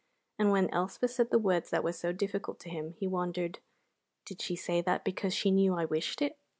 And when Elspeth said the words that were so difficult to him, he wondered, "Did she say that because she knew I wished it?"